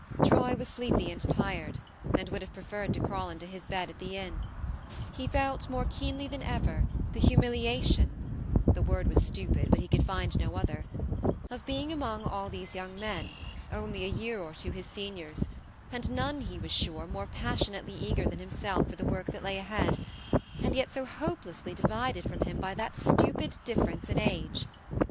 Troy was sleepy and tired, and would have preferred to crawl into his bed at the inn ; he felt, more keenly than ever, the humiliation (the word was stupid, but he could find no other) of being among all these young men, only a year or two his seniors, and none, he was sure, more passionately eager than himself for the work that lay ahead, and yet so hope lessly divided from him by that stupid difference in age.